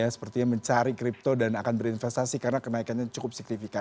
sepertinya mencari kripto dan akan berinvestasi karena kenaikannya cukup signifikan